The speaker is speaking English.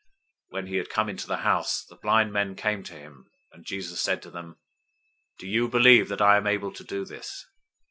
009:028 When he had come into the house, the blind men came to him. Jesus said to them, "Do you believe that I am able to do this?"